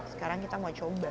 sekarang kita mau coba